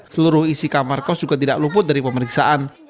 seluruh isi kamar kos juga tidak luput dari pemeriksaan